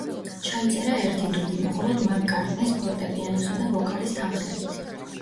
ჩაიწერა ერთი დუბლი, მხოლოდ მაკ-კარტნის ფორტეპიანოსა და ვოკალის თანხლებით.